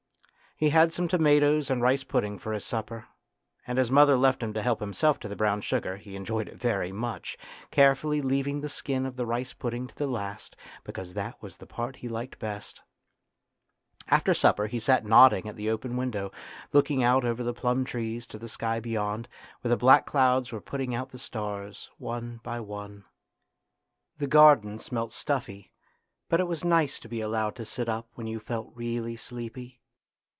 He had some tomatoes and rice pudding for his supper, and as mother left him to help himself to brown sugar he enjoyed it very much, carefully leaving the skin of the rice pudding to the last, because that was the part he liked best. After supper he sat nodding at the open window, looking out over the plum trees to the sky beyond, where the black clouds were putting out the stars one by one. The garden .smelt stuffy, but it was nice to be allowed to sit up when you felt really sleepy.